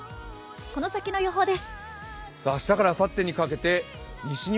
この先の予報です。